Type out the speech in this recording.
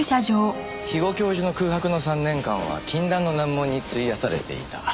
肥後教授の空白の３年間は禁断の難問に費やされていた。